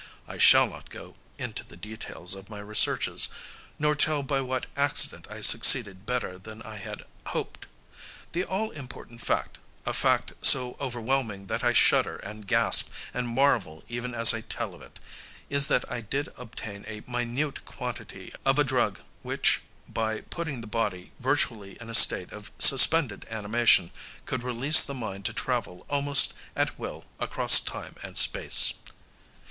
I shall not go into the details of my researches, nor tell by what accident I succeeded better than I had hoped; the all important fact a fact so overwhelming that I shudder and gasp and marvel even as I tell of it is that I did obtain a minute quantity of a drug which, by putting the body virtually in a state of suspended animation, could release the mind to travel almost at will across time and space.